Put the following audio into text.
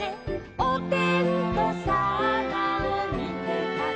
「おてんと様をみてたから」